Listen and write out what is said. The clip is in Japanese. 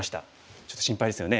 ちょっと心配ですよね。